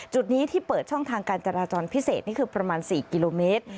จุดนี้ที่เปิดช่องทางการจราจรพิเศษนี่คือประมาณ๔กิโลเมตร